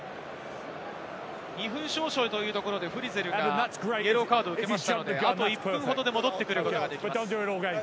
２分少々というところで、フリゼルがイエローカードを受けましたので、あと１分ほどで戻ってくることができます。